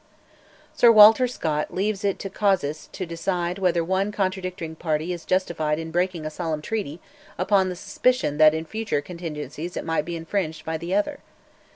Sir Walter Scott "leaves it to casuists to decide whether one contracting party is justified in breaking a solemn treaty upon the suspicion that in future contingencies it might be infringed by the other."